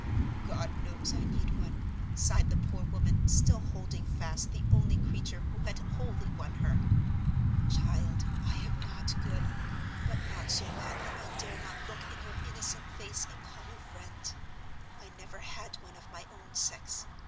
"God knows I need one!" sighed the poor woman, still holding fast the only creature who had wholly won her. "Child, I am not good, but not so bad that I dare not look in your innocent face and call you friend. I never had one of my own sex.